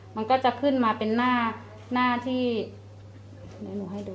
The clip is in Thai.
มันก็จะขึ้นมาเป็นหน้าที่เดี๋ยวหนูให้ดู